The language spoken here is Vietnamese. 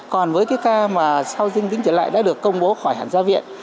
còn với cái ca mà sau dâng tính trở lại đã được công bố khỏi hẳn gia viện